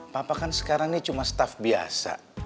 papa kan sekarang ini cuma staff biasa